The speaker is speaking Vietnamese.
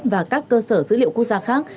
và các cơ sở dữ liệu quốc gia khác